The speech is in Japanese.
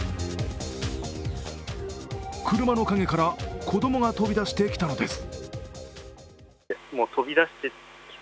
車の影から子供が飛び出したきたのです。